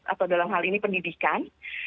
atau dalam hal ini pendidikan